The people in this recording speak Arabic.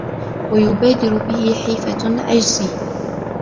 وَيُبَادِرَ بِهِ خِيفَةُ عَجْزِهِ